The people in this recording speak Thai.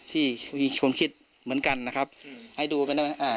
ที่มีคนคิดเหมือนกันนะครับให้ดูไปได้ไหมอ่า